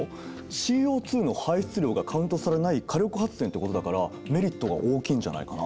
ＣＯの排出量がカウントされない火力発電ってことだからメリットが大きいんじゃないかな？